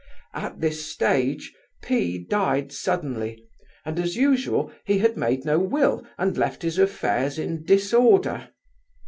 At this stage P—— died suddenly, and, as usual, he had made no will and left his affairs in disorder.